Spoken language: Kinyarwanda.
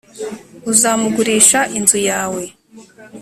uzamugurisha inzu yawe